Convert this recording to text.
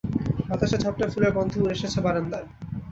বাতাসের ঝাপটায় ফুলের গন্ধই উড়ে এসেছে বারান্দায়।